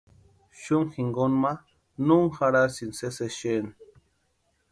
Xumu jinkoni ma no úni jarhasïnti sési exeni.